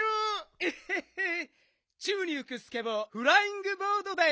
えへへちゅうにうくスケボーフライングボードだよ！